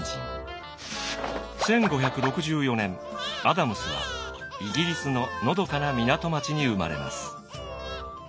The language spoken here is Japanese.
１５６４年アダムスはイギリスののどかな港町に生まれます。